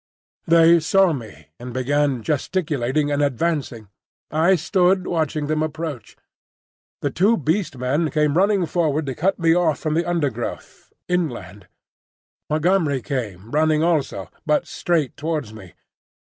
They saw me, and began gesticulating and advancing. I stood watching them approach. The two Beast Men came running forward to cut me off from the undergrowth, inland. Montgomery came, running also, but straight towards me.